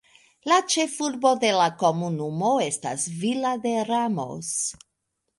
La ĉefurbo de la komunumo estas Villa de Ramos.